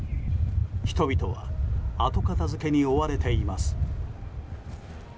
人々は後片付けに追われています。